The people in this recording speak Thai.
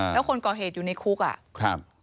แล้วคนก่อเหตุอยู่ในคุก